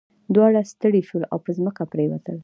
دواړه ستړي شول او په ځمکه پریوتل.